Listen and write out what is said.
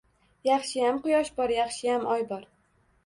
Yaxshiyam quyosh bor, yaxshiyam oy bor